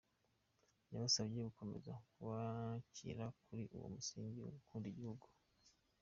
Yabasabye gukomeza kubakira kuri uwo musingi wo gukunda igihugu.